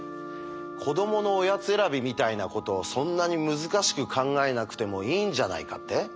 子どものおやつ選びみたいなことをそんなに難しく考えなくてもいいんじゃないかって？